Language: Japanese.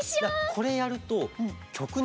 これやるときょくにのれるね！